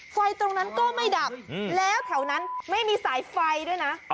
ไฟตรงนั้นก็ไม่ดับแล้วแถวนั้นไม่มีสายไฟด้วยนะ